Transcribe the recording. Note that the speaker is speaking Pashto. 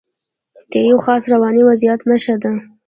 د یوه خاص رواني وضعیت نښه ده.